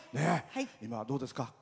今は、どうですか？